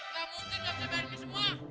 gak mungkin langsung barang ini semua